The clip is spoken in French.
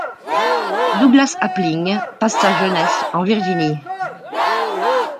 Douglas Appling passe sa jeunesse en Virginie.